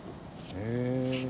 へえ。